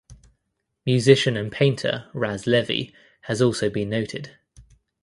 Musician and painter Ras Levy has also been noted.